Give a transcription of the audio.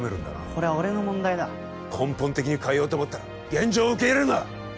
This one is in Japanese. これは俺の問題だ根本的に変えようと思ったら現状を受け入れるな！